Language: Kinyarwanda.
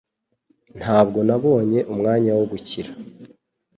Ntabwo nabonye umwanya wo gukira